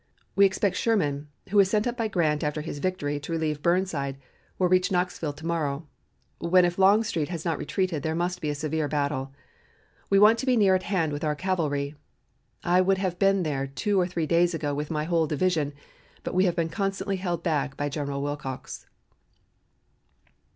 We expect Sherman, who was sent up by Grant after his victory to relieve Burnside, will reach Knoxville to morrow, when if Longstreet has not retreated there must be a severe battle. We want to be near at hand with our cavalry. I would have been there two or three days ago with my whole division, but have been constantly held back by General Wilcox."